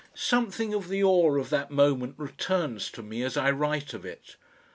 Something of the awe of that moment returns to me as I write of it.